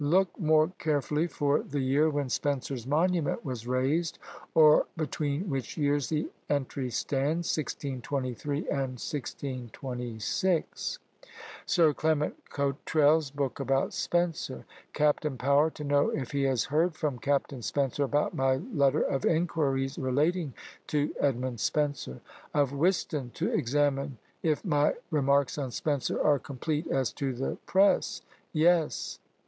Look more carefully for the year when Spenser's monument was raised, or between which years the entry stands 1623 and 1626. Sir Clement Cottrell's book about Spenser. Captain Power, to know if he has heard from Capt. Spenser about my letter of inquiries relating to Edward Spenser. Of Whiston, to examine if my remarks on Spenser are complete as to the press Yes.